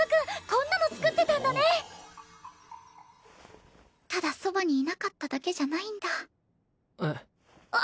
こんなの作ってたんだねただそばにいなかっただけじゃないんだえっ？